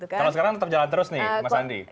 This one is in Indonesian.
kalau sekarang tetap jalan terus nih mas andi